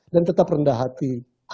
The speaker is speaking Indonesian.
dan tetap rendah hati